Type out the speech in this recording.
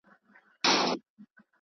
دي اوبه تللي